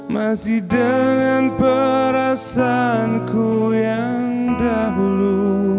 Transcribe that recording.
masih dengan perasaanku yang dahulu